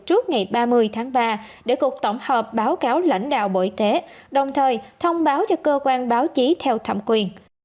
trước ngày ba mươi tháng ba để cục tổng hợp báo cáo lãnh đạo bộ y tế đồng thời thông báo cho cơ quan báo chí theo thẩm quyền